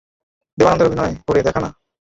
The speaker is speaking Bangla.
দেবানন্দের অভিনয় করে দেখা না।